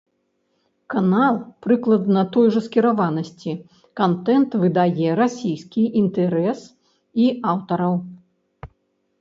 Канал прыкладна той жа скіраванасці, кантэнт выдае расійскі інтарэс і аўтараў.